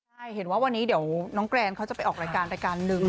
ใช่เห็นว่าวันนี้เดี๋ยวน้องแกรนเขาจะไปออกรายการรายการหนึ่ง